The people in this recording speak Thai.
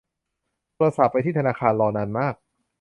โทรศัพท์ไปที่ธนาคาร รอนานมาก